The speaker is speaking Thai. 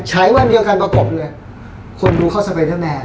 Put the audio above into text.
วันเดียวกันประกบเลยคนดูเข้าสไปเดอร์แนน